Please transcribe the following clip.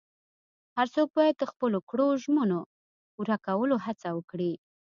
هر څوک باید د خپلو کړو ژمنو پوره کولو هڅه وکړي.